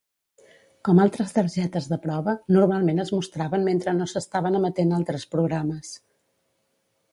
Com altres targetes de prova, normalment es mostraven mentre no s"estaven emetent altres programes.